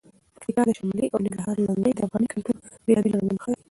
د پکتیا شملې او د ننګرهار لنګۍ د افغاني کلتور بېلابېل رنګونه ښیي.